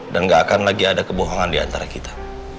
dan gak akan lagi ada kebohongan diantara kita